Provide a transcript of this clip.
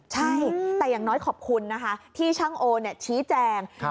ใช่แต่อย่างน้อยขอบคุณนะคะที่ช่างโอชี้แจง